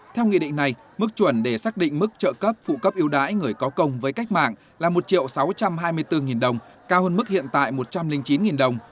theo nghị định này mức chuẩn để xác định mức trợ cấp phụ cấp yếu đái người có công với cách mạng là một sáu trăm hai mươi bốn đồng cao hơn mức hiện tại một trăm linh chín đồng